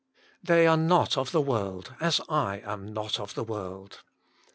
They are not of the world, as I am not of the world."